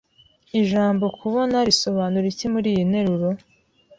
Ijambo "kubona" risobanura iki muriyi nteruro?